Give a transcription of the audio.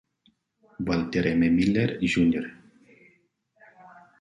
Walter M. Miller, Jr.